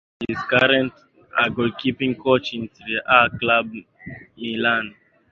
He is currently a goalkeeping coach at Serie A club Milan.